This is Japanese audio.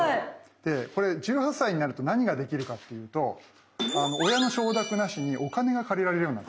でこれ１８歳になると何ができるかっていうと親の承諾なしにお金が借りられるようになる。